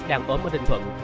đang ốm ở ninh phận